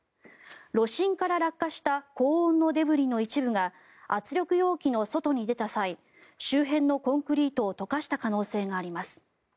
炉心から落下した高温のデブリの一部が圧力容器の外に出た際周辺のコンクリートを溶かした可能性があります。